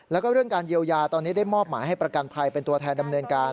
แล้วก็เรื่องการเยียวยาตอนนี้ได้มอบหมายให้ประกันภัยเป็นตัวแทนดำเนินการ